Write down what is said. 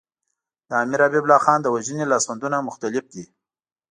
د امیر حبیب الله خان د وژنې لاسوندونه مختلف دي.